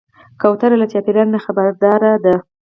کوتره له چاپېریاله نه خبرداره ده.